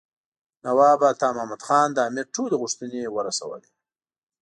نواب عطا محمد خان د امیر ټولې غوښتنې ورسولې.